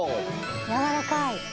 やわらかい。